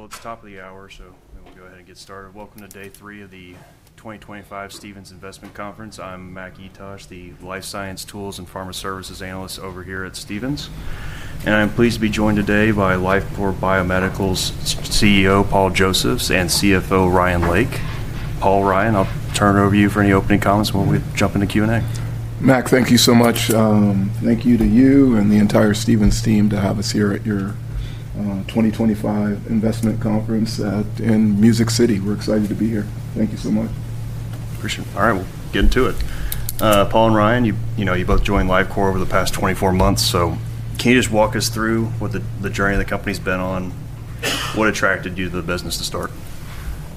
All right. It's the top of the hour, so we'll go ahead and get started. Welcome to day three of the 2025 Stephens Investment Conference. I'm Mac Etoch, the life science tools and pharma services analyst over here at Stephens. I'm pleased to be joined today by Lifecore Biomedical's CEO, Paul Josephs, and CFO, Ryan Lake. Paul, Ryan, I'll turn it over to you for any opening comments while we jump into Q&A. Mac, thank you so much. Thank you to you and the entire Stephens team to have us here at your 2025 Investment Conference in Music City. We're excited to be here. Thank you so much. Appreciate it. All right. We'll get into it. Paul and Ryan, you both joined Lifecore over the past 24 months. Can you just walk us through what the journey the company's been on? What attracted you to the business to start?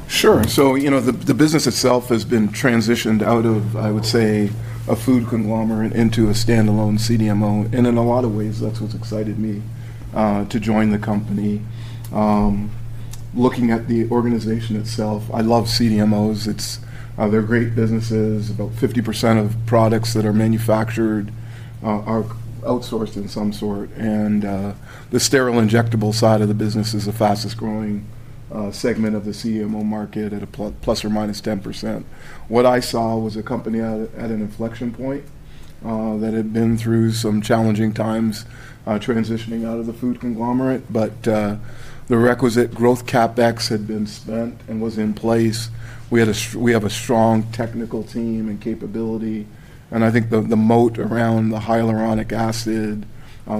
Sure. You know, the business itself has been transitioned out of, I would say, a food conglomerate into a standalone CDMO. In a lot of ways, that's what's excited me to join the company. Looking at the organization itself, I love CDMOs. They're great businesses. About 50% of products that are manufactured are outsourced in some sort. The sterile injectable side of the business is the fastest-growing segment of the CDMO market at a plus or minus 10%. What I saw was a company at an inflection point that had been through some challenging times transitioning out of the food conglomerate. The requisite growth CapEx had been spent and was in place. We have a strong technical team and capability. I think the moat around the Hyaluronic acid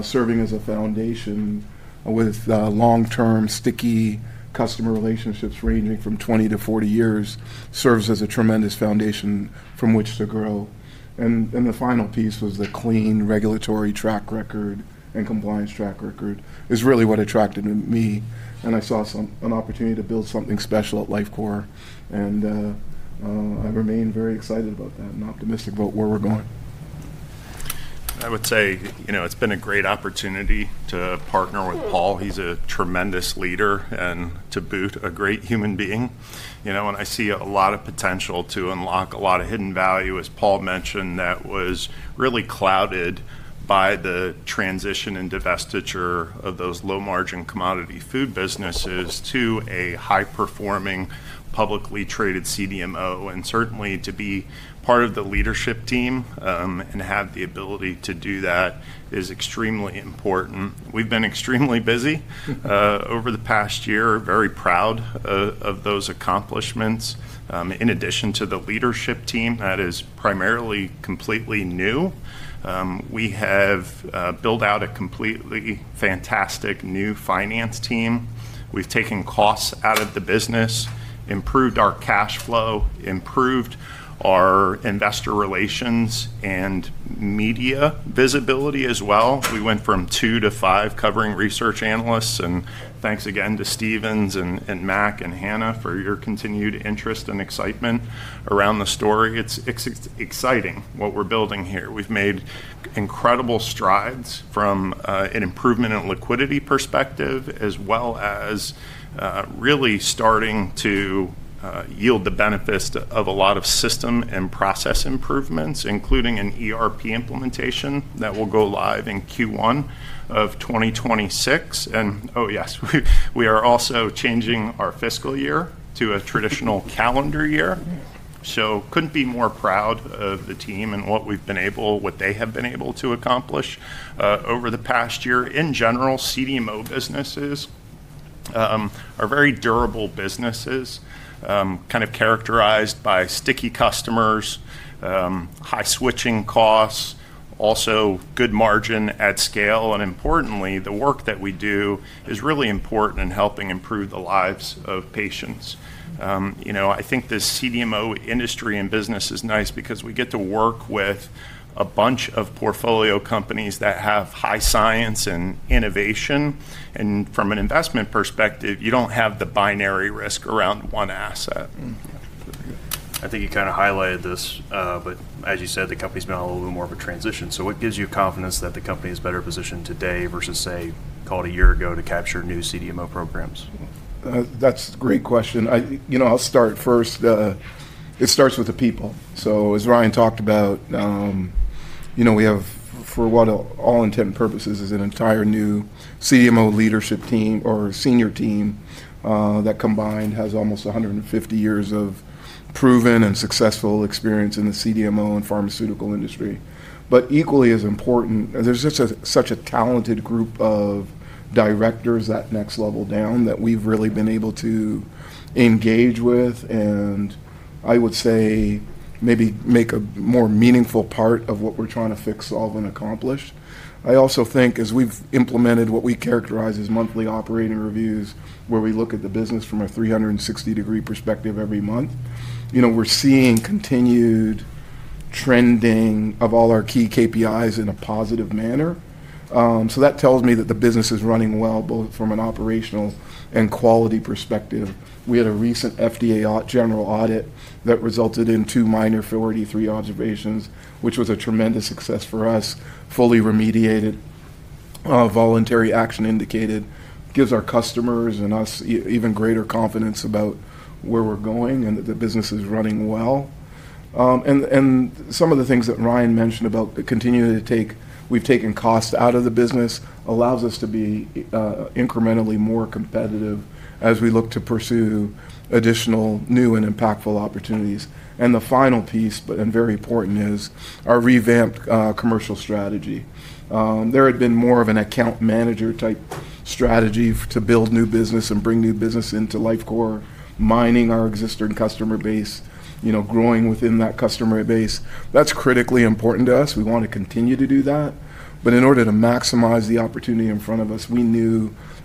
serving as a foundation with long-term sticky customer relationships ranging from 20-40 years serves as a tremendous foundation from which to grow. The final piece was the clean regulatory track record and compliance track record is really what attracted me. I saw an opportunity to build something special at Lifecore. I remain very excited about that and optimistic about where we're going. I would say, you know, it's been a great opportunity to partner with Paul. He's a tremendous leader and, to boot, a great human being. You know, and I see a lot of potential to unlock a lot of hidden value, as Paul mentioned, that was really clouded by the transition and divestiture of those low-margin commodity food businesses to a high-performing publicly traded CDMO. Certainly, to be part of the leadership team and have the ability to do that is extremely important. We've been extremely busy over the past year, very proud of those accomplishments. In addition to the leadership team that is primarily completely new, we have built out a completely fantastic new finance team. We've taken costs out of the business, improved our cash flow, improved our investor relations, and media visibility as well. We went from two to five covering research analysts. Thanks again to Stephens and Mac and Hannah for your continued interest and excitement around the story. It's exciting what we're building here. We've made incredible strides from an improvement in liquidity perspective as well as really starting to yield the benefits of a lot of system and process improvements, including an ERP implementation that will go live in Q1 of 2026. Oh, yes, we are also changing our fiscal year to a traditional calendar year. Could not be more proud of the team and what we've been able, what they have been able to accomplish over the past year. In general, CDMO businesses are very durable businesses, kind of characterized by sticky customers, high switching costs, also good margin at scale. Importantly, the work that we do is really important in helping improve the lives of patients. You know, I think this CDMO industry and business is nice because we get to work with a bunch of portfolio companies that have high science and innovation. And from an investment perspective, you do not have the binary risk around one asset. I think you kind of highlighted this, but as you said, the company's been a little bit more of a transition. So what gives you confidence that the company is better positioned today versus, say, called a year ago to capture new CDMO programs? That's a great question. You know, I'll start first. It starts with the people. As Ryan talked about, you know, we have, for all intents and purposes, an entire new CDMO leadership team or senior team that combined has almost 150 years of proven and successful experience in the CDMO and pharmaceutical industry. Equally as important, there's just such a talented group of directors that next level down that we've really been able to engage with and, I would say, maybe make a more meaningful part of what we're trying to fix, solve, and accomplish. I also think as we've implemented what we characterize as monthly operating reviews, where we look at the business from a 360-degree perspective every month, you know, we're seeing continued trending of all our key KPIs in a positive manner. That tells me that the business is running well both from an operational and quality perspective. We had a recent FDA general audit that resulted in two minor 43 observations, which was a tremendous success for us, fully remediated. Voluntary action indicated gives our customers and us even greater confidence about where we're going and that the business is running well. Some of the things that Ryan mentioned about continuing to take, we've taken cost out of the business, allows us to be incrementally more competitive as we look to pursue additional new and impactful opportunities. The final piece, but very important, is our revamped commercial strategy. There had been more of an account manager type strategy to build new business and bring new business into Lifecore, mining our existing customer base, you know, growing within that customer base. That's critically important to us. We want to continue to do that. In order to maximize the opportunity in front of us,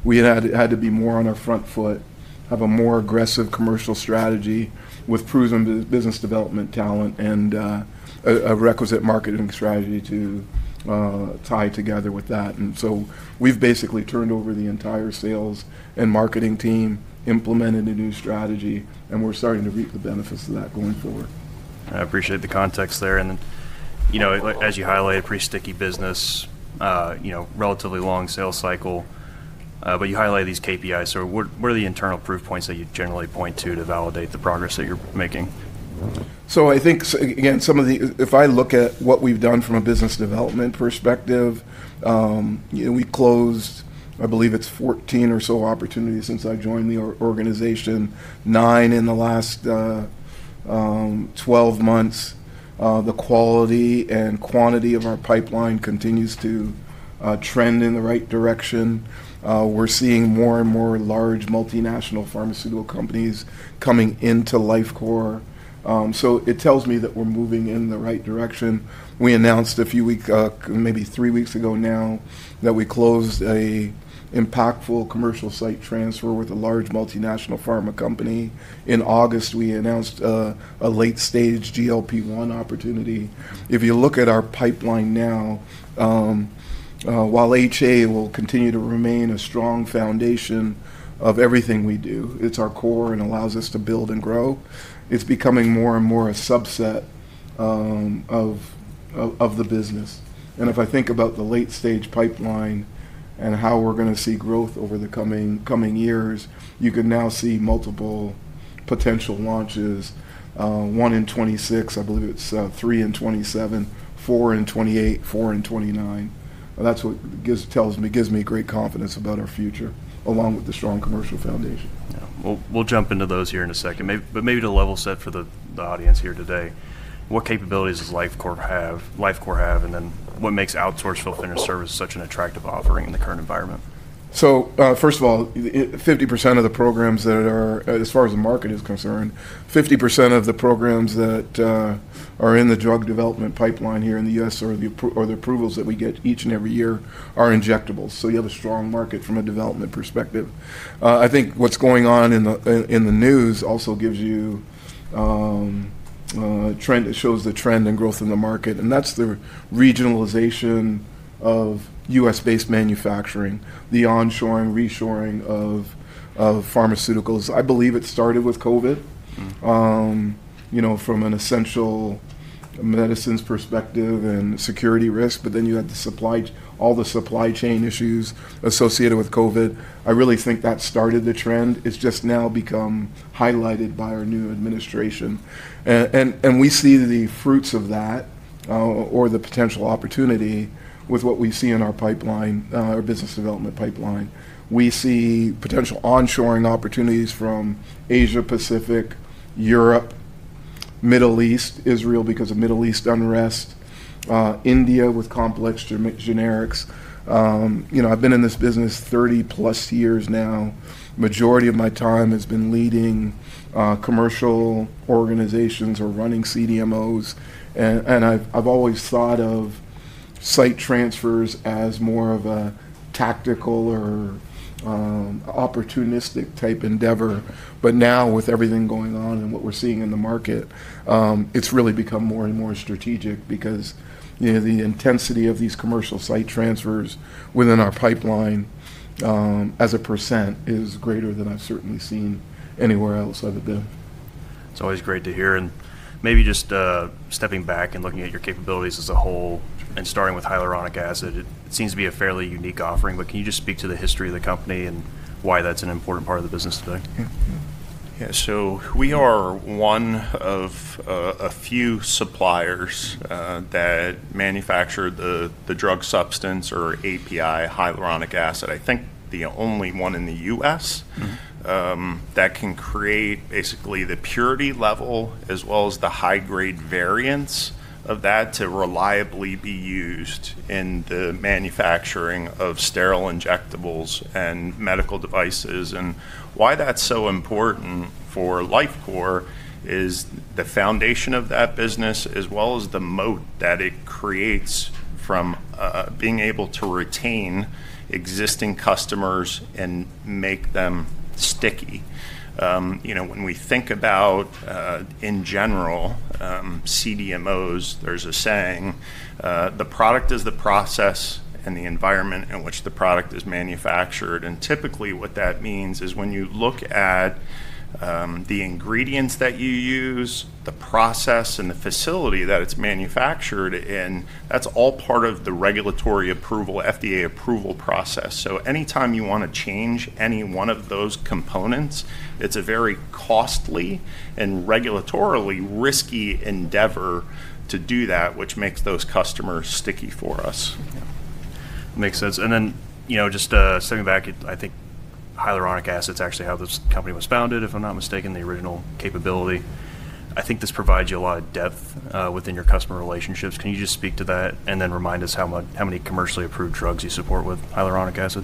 we knew we had to be more on our front foot, have a more aggressive commercial strategy with proven business development talent and a requisite marketing strategy to tie together with that. We have basically turned over the entire sales and marketing team, implemented a new strategy, and we are starting to reap the benefits of that going forward. I appreciate the context there. You know, as you highlighted, pretty sticky business, you know, relatively long sales cycle. You highlighted these KPIs. What are the internal proof points that you generally point to to validate the progress that you're making? I think, again, some of the, if I look at what we've done from a business development perspective, you know, we closed, I believe it's 14 or so opportunities since I joined the organization, nine in the last 12 months. The quality and quantity of our pipeline continues to trend in the right direction. We're seeing more and more large multinational pharmaceutical companies coming into Lifecore. It tells me that we're moving in the right direction. We announced a few weeks, maybe three weeks ago now, that we closed an impactful Site transfer with a large multinational pharma company. In August, we announced a late-stage GLP-1 opportunity. If you look at our pipeline now, while HA will continue to remain a strong foundation of everything we do, it's our core and allows us to build and grow. It's becoming more and more a subset of the business. If I think about the late-stage pipeline and how we're going to see growth over the coming years, you can now see multiple potential launches, one in 2026, I believe it's three in 2027, four in 2028, four in 2029. That is what gives me, gives me great confidence about our future along with the strong commercial foundation. We'll jump into those here in a second. Maybe to level set for the audience here today, what capabilities does Lifecore have, and then what makes outsourced filtering service such an attractive offering in the current environment? First of all, 50% of the programs that are, as far as the market is concerned, 50% of the programs that are in the drug development pipeline here in the U.S. or the approvals that we get each and every year are injectables. You have a strong market from a development perspective. I think what's going on in the news also gives you a trend that shows the trend and growth in the market. That's the regionalization of U.S.-based manufacturing, the Onshoring, Reshoring of pharmaceuticals. I believe it started with COVID, you know, from an essential medicines perspective and security risk. Then you had the supply, all the supply chain issues associated with COVID. I really think that started the trend. It's just now become highlighted by our new administration. We see the fruits of that or the potential opportunity with what we see in our pipeline, our business development pipeline. We see potential Onshoring opportunities from Asia-Pacific, Europe, Middle East, Israel because of Middle East unrest, India with complex generics. You know, I've been in this business 30+ years now. Majority of my time has been leading commercial organizations or running CDMOs. I've always thought Site transfers as more of a tactical or opportunistic type endeavor. Now, with everything going on and what we're seeing in the market, it's really become more and more strategic because the intensity of these Site transfers within our pipeline as a percent is greater than I've certainly seen anywhere else I've been. It's always great to hear. Maybe just stepping back and looking at your capabilities as a whole and starting with Hyaluronic acid, it seems to be a fairly unique offering. Can you just speak to the history of the company and why that's an important part of the business today? Yeah.We are one of a few suppliers that manufacture the drug substance or API, Hyaluronic acid. I think the only one in the US that can create basically the purity level as well as the high-grade variants of that to reliably be used in the manufacturing of Sterile injectables and Medical devices. Why that's so important for Lifecore is the foundation of that business as well as the moat that it creates from being able to retain existing customers and make them sticky. You know, when we think about, in general, CDMOs, there's a saying, the product is the process and the environment in which the product is manufactured. Typically what that means is when you look at the ingredients that you use, the process and the facility that it's manufactured in, that's all part of the regulatory approval, FDA approval process. Anytime you want to change any one of those components, it's a very costly and regulatorily risky endeavor to do that, which makes those customers sticky for us. Makes sense. You know, just stepping back, I think Hyaluronic acid is actually how this company was founded, if I'm not mistaken, the original capability. I think this provides you a lot of depth within your customer relationships. Can you just speak to that and then remind us how many commercially approved drugs you support with Hyaluronic acid?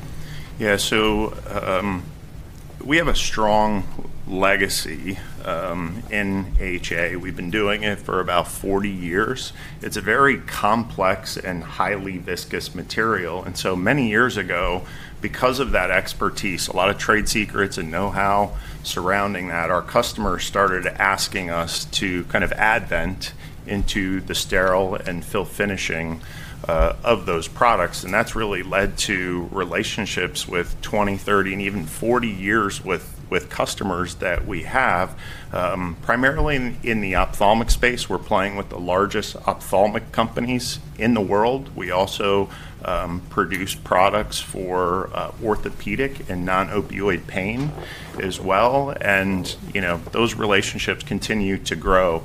Yeah.We have a strong legacy in HA. We've been doing it for about 40 years. It's a very complex and highly viscous material. Many years ago, because of that expertise, a lot of trade secrets and know-how surrounding that, our customers started asking us to kind of advent into the sterile and Fill finishing of those products. That's really led to relationships with 20, 30, and even 40 years with customers that we have, primarily in the ophthalmic space. We're playing with the largest ophthalmic companies in the world. We also produce products for orthopedic and non-opioid pain as well. You know, those relationships continue to grow.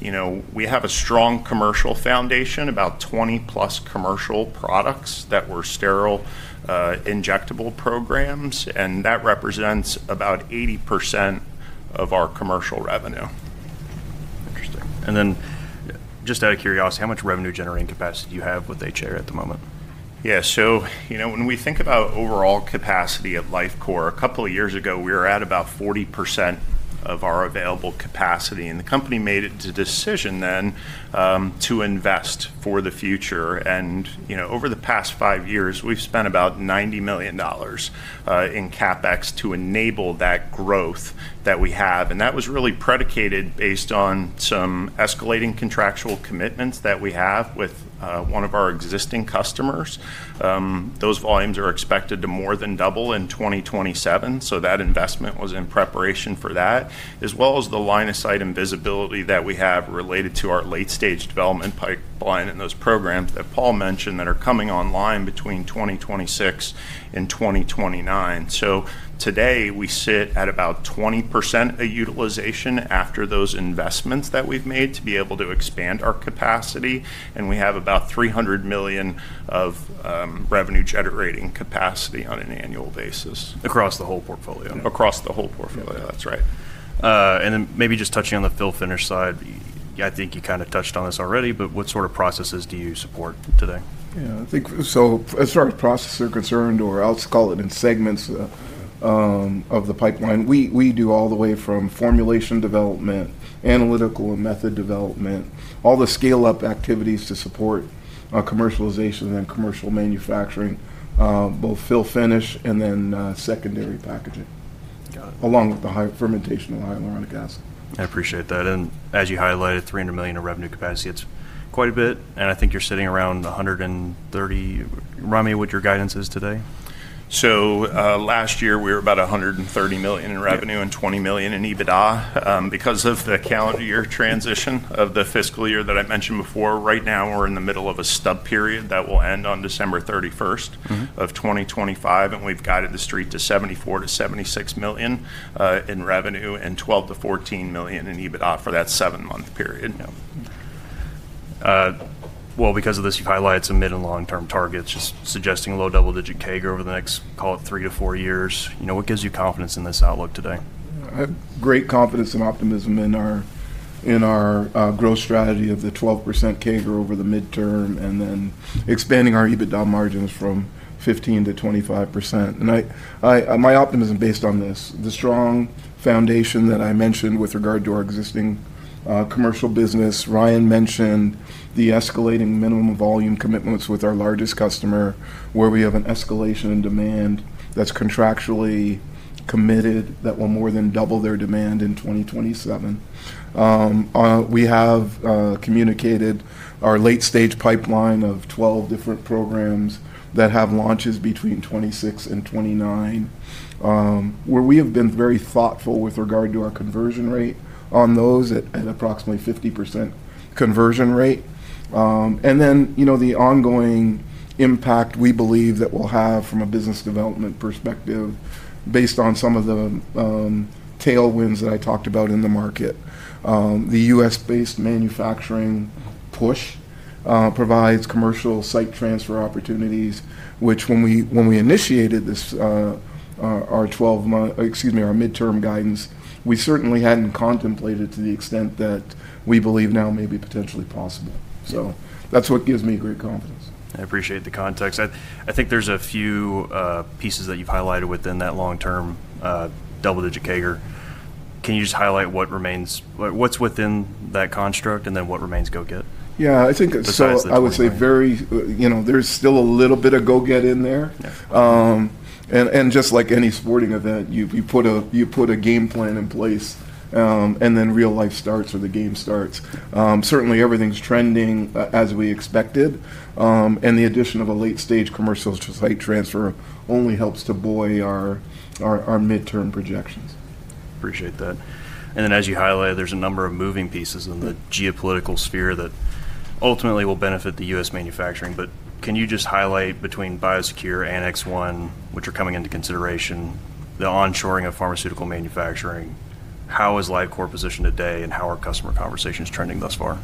You know, we have a strong commercial foundation, about 20+ commercial products that were Sterile injectable programs. That represents about 80% of our commercial revenue. Interesting.Just out of curiosity, how much revenue generating capacity do you have with HA at the moment? Yeah. You know, when we think about overall capacity at Lifecore, a couple of years ago, we were at about 40% of our available capacity. The company made a decision then to invest for the future. You know, over the past five years, we've spent about $90 million in CapEx to enable that growth that we have. That was really predicated based on some escalating contractual commitments that we have with one of our existing customers. Those volumes are expected to more than double in 2027. That investment was in preparation for that, as well as the line of sight and visibility that we have related to our late-stage development pipeline and those programs that Paul mentioned that are coming online between 2026 and 2029.Today we sit at about 20% of utilization after those investments that we've made to be able to expand our capacity. We have about $300 million of revenue generating capacity on an annual basis across the whole portfolio. Across the whole portfolio. That's right. Maybe just touching on the Fill finish side, I think you kind of touched on this already, but what sort of processes do you support today? Yeah. I think, so as far as processes are concerned, or I'll call it in segments of the pipeline, we do all the way from formulation development, analytical and method development, all the scale-up activities to support commercialization and commercial manufacturing, both Fill finish and then secondary packaging, along with the high fermentation of Hyaluronic acid. I appreciate that. As you highlighted, $300 million in revenue capacity, it's quite a bit. I think you're sitting around $130 million. Remind me what your guidance is today. Last year we were about $130 million in revenue and $20 million in EBITDA because of the calendar year transition of the fiscal year that I mentioned before. Right now we're in the middle of a stub period that will end on December 31st, 2025. We've guided the street to $74-$76 million in revenue and $12-$14 million in EBITDA for that seven-month period. Because of this, you've highlighted some mid and long-term targets, just suggesting a low double-digit CAGR over the next, call it three to four years. You know, what gives you confidence in this outlook today? Great confidence and optimism in our growth strategy of the 12% CAGR over the midterm and then expanding our EBITDA margins from 15-25%. My optimism is based on this, the strong foundation that I mentioned with regard to our existing commercial business. Ryan mentioned the escalating minimum volume commitments with our largest customer, where we have an escalation in demand that's contractually committed that will more than double their demand in 2027. We have communicated our late-stage pipeline of 12 different programs that have launches between 2026 and 2029, where we have been very thoughtful with regard to our conversion rate on those at approximately 50% conversion rate. You know, the ongoing impact we believe that we'll have from a business development perspective based on some of the tailwinds that I talked about in the market. The US-based manufacturing push provides Site transfer opportunities, which when we initiated our 12-month, excuse me, our midterm guidance, we certainly hadn't contemplated to the extent that we believe now may be potentially possible. That is what gives me great confidence. I appreciate the context. I think there's a few pieces that you've highlighted within that long-term double-digit CAGR. Can you just highlight what remains, what's within that construct and then what remains go-get? Yeah. I think I would say very, you know, there's still a little bit of go-get in there. Just like any sporting event, you put a game plan in place and then real life starts or the game starts. Certainly everything's trending as we expected. The addition of a late-stage Site transfer only helps to buoy our midterm projections. Appreciate that. As you highlighted, there is a number of moving pieces in the geopolitical sphere that ultimately will benefit U.S. manufacturing. Can you just highlight between Biosecure and Annex 1, which are coming into consideration, the Onshoring of pharmaceutical manufacturing? How is Lifecore positioned today and how are customer conversations trending thus far?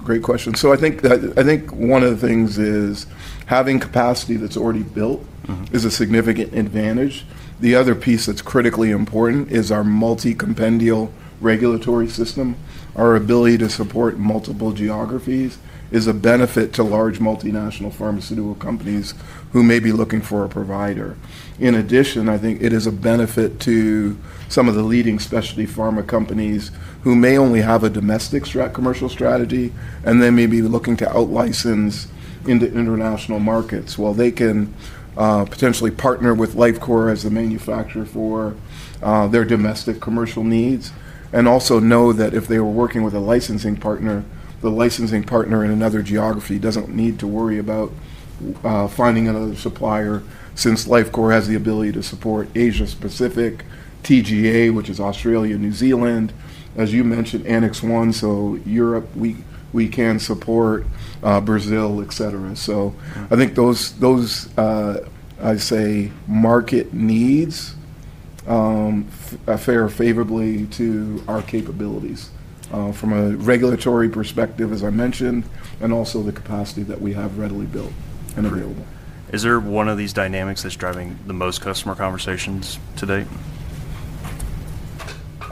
Great question. I think one of the things is having capacity that's already built is a significant advantage. The other piece that's critically important is our multi-compendial regulatory system. Our ability to support multiple geographies is a benefit to large multinational pharmaceutical companies who may be looking for a provider. In addition, I think it is a benefit to some of the leading specialty pharma companies who may only have a domestic commercial strategy and then may be looking to out-license into international markets while they can potentially partner with Lifecore as a manufacturer for their domestic commercial needs. Also know that if they were working with a licensing partner, the licensing partner in another geography does not need to worry about finding another supplier since Lifecore has the ability to support Asia-Pacific, TGA, which is Australia and New Zealand.As you mentioned, Annex 1, so Europe, we can support Brazil, et cetera. I think those, I say, market needs fare favorably to our capabilities from a regulatory perspective, as I mentioned, and also the capacity that we have readily built and available. Is there one of these dynamics that's driving the most customer conversations today?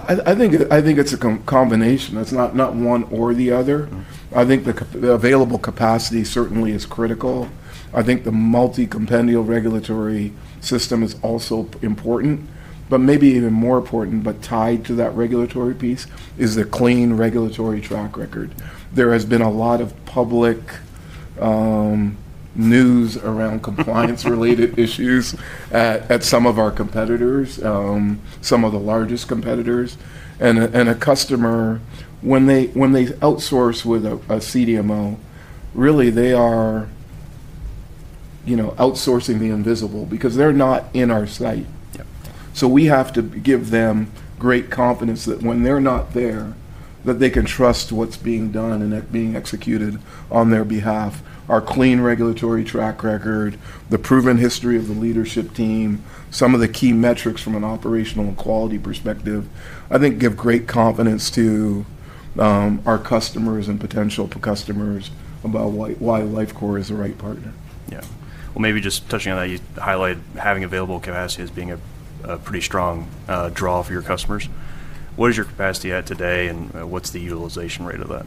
I think it's a combination. It's not one or the other. I think the available capacity certainly is critical. I think the multi-compendial regulatory system is also important, but maybe even more important, but tied to that regulatory piece is the clean regulatory track record. There has been a lot of public news around compliance-related issues at some of our competitors, some of the largest competitors. And a customer, when they outsource with a CDMO, really they are, you know, outsourcing the invisible because they're not in our site. So we have to give them great confidence that when they're not there, that they can trust what's being done and being executed on their behalf. Our clean regulatory track record, the proven history of the leadership team, some of the key metrics from an operational quality perspective, I think give great confidence to our customers and potential customers about why Lifecore is the right partner. Yeah. Maybe just touching on that, you highlighted having available capacity as being a pretty strong draw for your customers. What is your capacity at today and what's the utilization rate of that?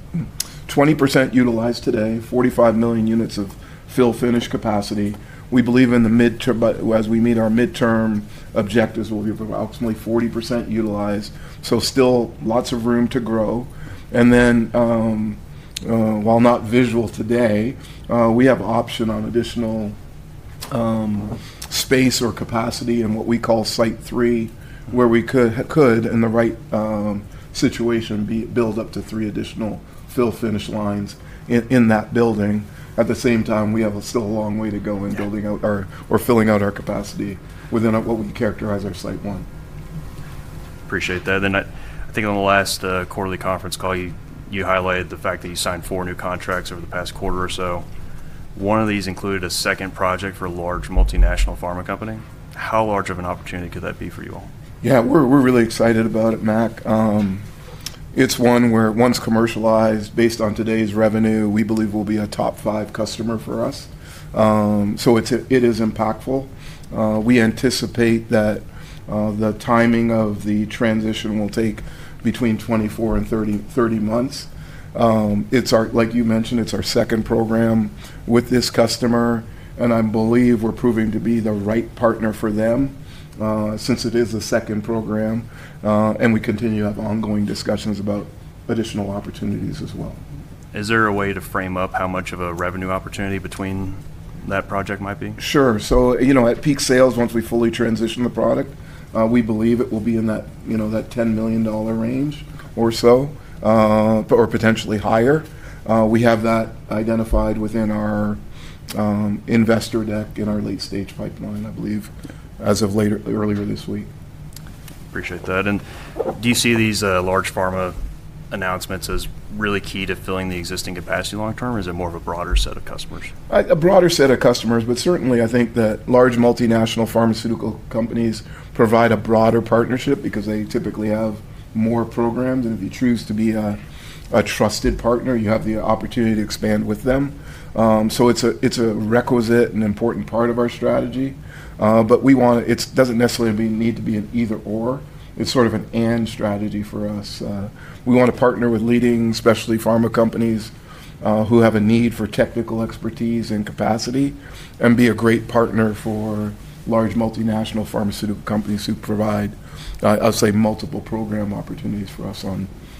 20% utilized today, 45 million units of Fill finish capacity. We believe in the midterm, as we meet our midterm objectives, we will be approximately 40% utilized. Still lots of room to grow. While not visual today, we have option on additional space or capacity in what we call site three, where we could, in the right situation, build up to three additional Fill finish lines in that building. At the same time, we have still a long way to go in building out or filling out our capacity within what we characterize as our site one. Appreciate that. I think on the last quarterly conference call, you highlighted the fact that you signed four new contracts over the past quarter or so. One of these included a second project for a large multinational pharma company. How large of an opportunity could that be for you all? Yeah. We're really excited about it, Mac. It's one where, once commercialized, based on today's revenue, we believe will be a top five customer for us. It is impactful. We anticipate that the timing of the transition will take between 24 and 30 months. Like you mentioned, it's our second program with this customer. I believe we're proving to be the right partner for them since it is a second program. We continue to have ongoing discussions about additional opportunities as well. Is there a way to frame up how much of a revenue opportunity between that project might be? Sure. So, you know, at peak sales, once we fully transition the product, we believe it will be in that, you know, that $10 million range or so, or potentially higher. We have that identified within our Investor deck in our late-stage pipeline, I believe, as of earlier this week. Appreciate that. Do you see these large pharma announcements as really key to filling the existing capacity long-term, or is it more of a broader set of customers? A broader set of customers, but certainly I think that large multinational pharmaceutical companies provide a broader partnership because they typically have more programs. If you choose to be a trusted partner, you have the opportunity to expand with them. It is a requisite and important part of our strategy. We want, it does not necessarily need to be an either/or. It is sort of an and strategy for us. We want to partner with leading specialty pharma companies who have a need for technical expertise and capacity and be a great partner for large multinational pharmaceutical companies who provide, I will say, multiple program opportunities for us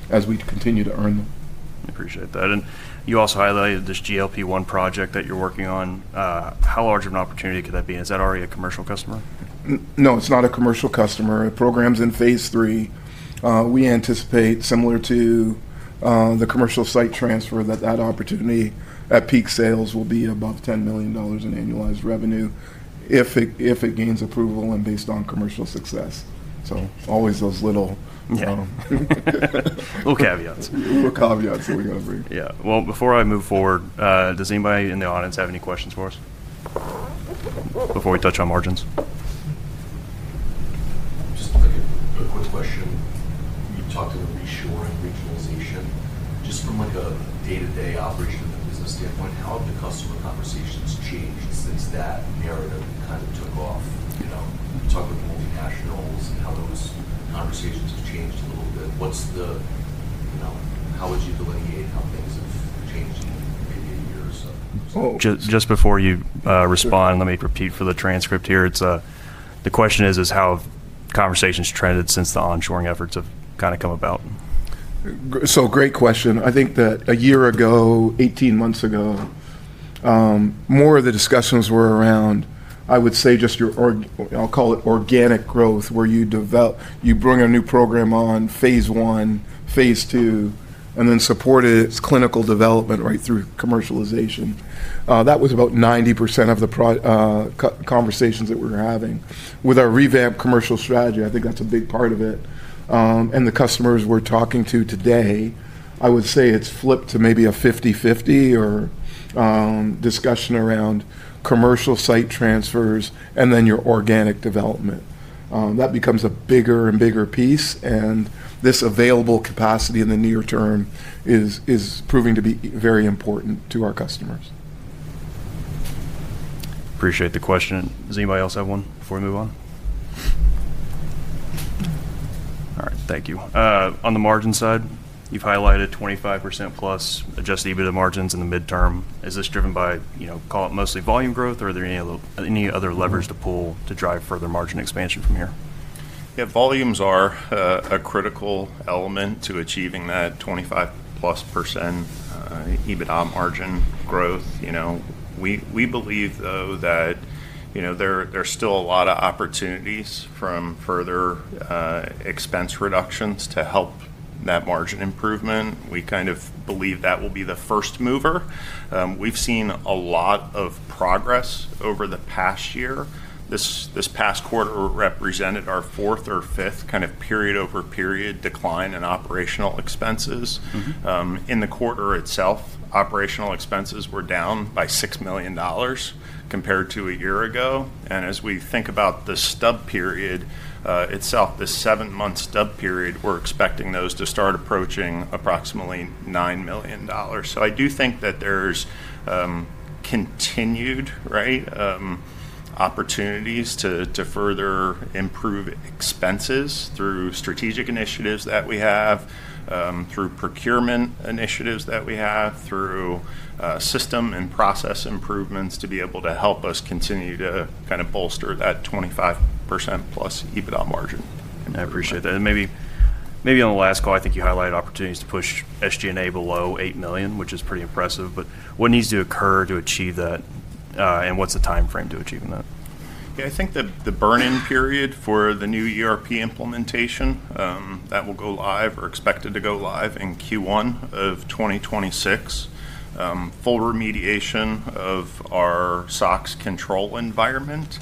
as we continue to earn them. Appreciate that. You also highlighted this GLP-1 project that you're working on. How large of an opportunity could that be? Is that already a commercial customer? No, it's not a commercial customer. It programs in phase three. We anticipate, similar to the Site transfer, that that opportunity at peak sales will be above $10 million in annualized revenue if it gains approval and based on commercial success. Always those little. Little caveats. Little caveats that we got to bring. Yeah. Before I move forward, does anybody in the audience have any questions for us before we touch on margins? Just like a quick question. You talked about Reshoring and regionalization. Just from like a day-to-day operation and business standpoint, how have the customer conversations changed since that narrative kind of took off? You know, talking with multinationals and how those conversations have changed a little bit. What's the, you know, how would you delineate how things have changed in the previous years? Just before you respond, let me repeat for the transcript here. The question is, is how conversations trended since the Onshoring efforts have kind of come about? Great question. I think that a year ago, 18 months ago, more of the discussions were around, I would say just your, I'll call it organic growth, where you develop, you bring a new program on, phase one, phase two, and then support its clinical development right through commercialization. That was about 90% of the conversations that we were having. With our revamped commercial strategy, I think that's a big part of it. The customers we're talking to today, I would say it's flipped to maybe a 50-50 or discussion around Site transfers and then your organic development. That becomes a bigger and bigger piece. This available capacity in the near term is proving to be very important to our customers. Appreciate the question. Does anybody else have one before we move on? All right. Thank you. On the margin side, you've highlighted 25% + adjusted EBITDA margins in the midterm. Is this driven by, you know, call it mostly volume growth, or are there any other levers to pull to drive further margin expansion from here? Yeah. Volumes are a critical element to achieving that 25% + EBITDA margin growth. You know, we believe though that, you know, there are still a lot of opportunities from further expense reductions to help that margin improvement. We kind of believe that will be the first mover. We've seen a lot of progress over the past year. This past quarter represented our fourth or fifth kind of period over period decline in operational expenses. In the quarter itself, operational expenses were down by $6 million compared to a year ago. As we think about the stub period itself, the seven-month stub period, we're expecting those to start approaching approximately $9 million. I do think that there's continued, right, opportunities to further improve expenses through strategic initiatives that we have, through procurement initiatives that we have, through system and process improvements to be able to help us continue to kind of bolster that 25%+ EBITDA margin. I appreciate that. Maybe on the last call, I think you highlighted opportunities to push SG&A below $8 million, which is pretty impressive. What needs to occur to achieve that, and what's the timeframe to achieving that? Yeah. I think the burn-in period for the new ERP implementation that will go live or expected to go live in Q1 of 2026, full remediation of our SOX control environment,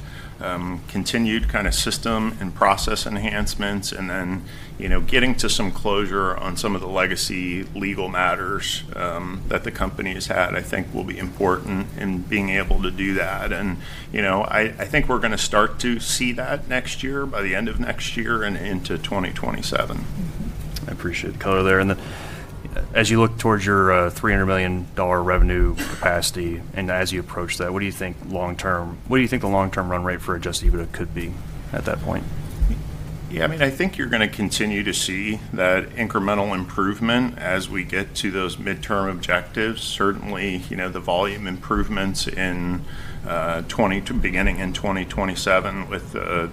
continued kind of system and process enhancements, and then, you know, getting to some closure on some of the legacy legal matters that the company has had, I think will be important in being able to do that. You know, I think we're going to start to see that next year, by the end of next year and into 2027. I appreciate the color there. As you look towards your $300 million revenue capacity and as you approach that, what do you think long-term, what do you think the long-term run rate for adjusted EBITDA could be at that point? Yeah. I mean, I think you're going to continue to see that incremental improvement as we get to those midterm objectives. Certainly, you know, the volume improvements beginning in 2027 with the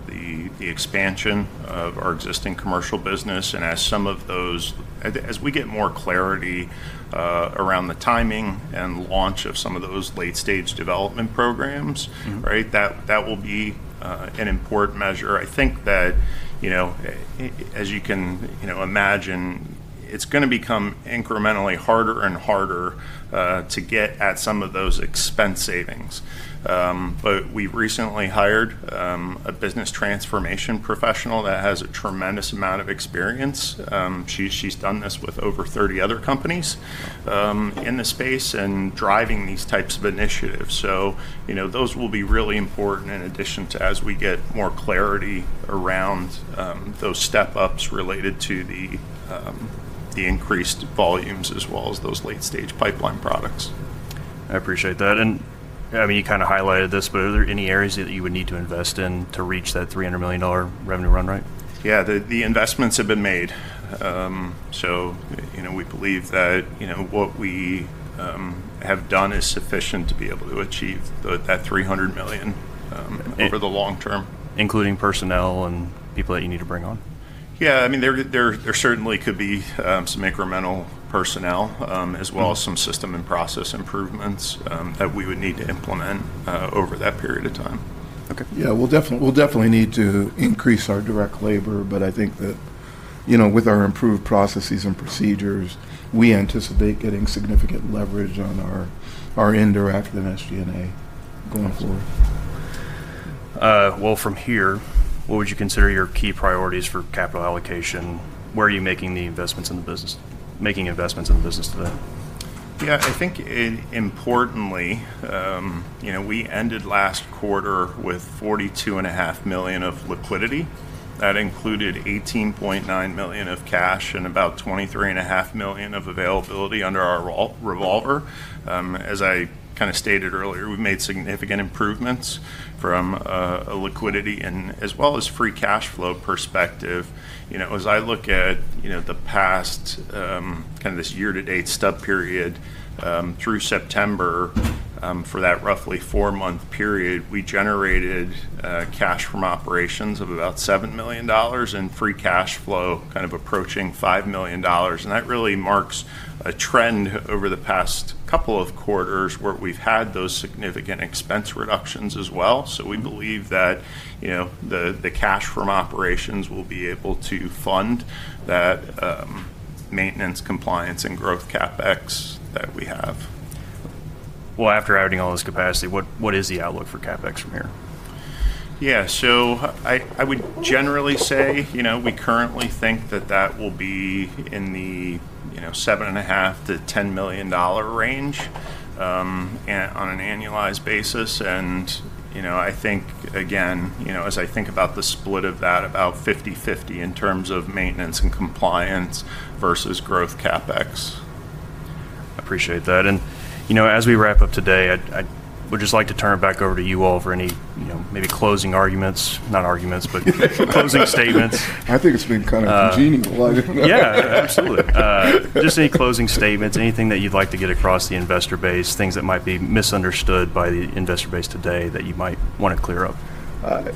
expansion of our existing commercial business. And as some of those, as we get more clarity around the timing and launch of some of those late-stage development programs, right, that will be an important measure. I think that, you know, as you can, you know, imagine, it's going to become incrementally harder and harder to get at some of those expense savings. But we recently hired a business transformation professional that has a tremendous amount of experience. She's done this with over 30 other companies in the space and driving these types of initiatives. You know, those will be really important in addition to as we get more clarity around those step-ups related to the increased volumes as well as those late-stage pipeline products. I appreciate that. I mean, you kind of highlighted this, but are there any areas that you would need to invest in to reach that $300 million revenue run rate? Yeah. The investments have been made. You know, we believe that, you know, what we have done is sufficient to be able to achieve that $300 million over the long term. Including personnel and people that you need to bring on? Yeah. I mean, there certainly could be some incremental personnel as well as some system and process improvements that we would need to implement over that period of time. Okay. Yeah. We'll definitely need to increase our direct labor, but I think that, you know, with our improved processes and procedures, we anticipate getting significant leverage on our indirect and SG&A going forward. From here, what would you consider your key priorities for capital allocation? Where are you making the investments in the business, making investments in the business today? Yeah. I think importantly, you know, we ended last quarter with $42.5 million of liquidity. That included $18.9 million of cash and about $23.5 million of availability under our Revolver. As I kind of stated earlier, we've made significant improvements from a liquidity and as well as free cash flow perspective. You know, as I look at, you know, the past kind of this year-to-date stub period through September, for that roughly four-month period, we generated cash from operations of about $7 million and free cash flow kind of approaching $5 million. That really marks a trend over the past couple of quarters where we've had those significant expense reductions as well. We believe that, you know, the cash from operations will be able to fund that maintenance, compliance, and growth CapEx that we have. After adding all this capacity, what is the outlook for CapEx from here? Yeah. I would generally say, you know, we currently think that that will be in the, you know, $7.5 million-$10 million range on an annualized basis. You know, I think, again, you know, as I think about the split of that, about 50-50 in terms of maintenance and compliance versus growth CapEx. I appreciate that. You know, as we wrap up today, I would just like to turn it back over to you all for any, you know, maybe closing arguments, not arguments, but closing statements. I think it's been kind of congenial. Yeah. Absolutely. Just any closing statements, anything that you'd like to get across the investor base, things that might be misunderstood by the investor base today that you might want to clear up?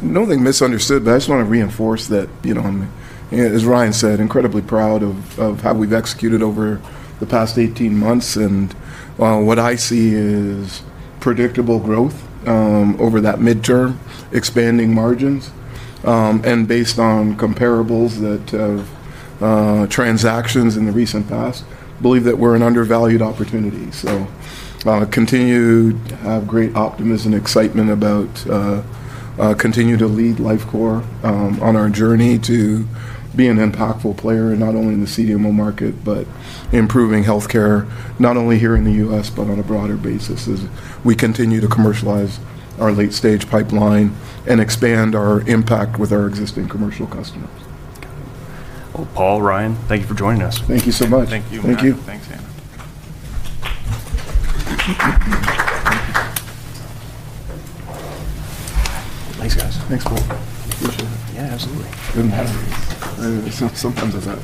Nothing misunderstood, but I just want to reinforce that, you know, as Ryan said, incredibly proud of how we've executed over the past 18 months. What I see is predictable growth over that midterm, expanding margins. Based on comparables that have transactions in the recent past, I believe that we're an undervalued opportunity. I continue to have great optimism and excitement about continuing to lead Lifecore on our journey to be an impactful player not only in the CDMO market, but improving healthcare, not only here in the U.S., but on a broader basis as we continue to commercialize our late-stage pipeline and expand our impact with our existing commercial customers. Paul, Ryan, thank you for joining us. Thank you so much. Thank you. Thank you. Thanks, Sam. Thanks, guys. Thanks, Paul. Appreciate it. Yeah. Absolutely. Good to have you. Sometimes I've got.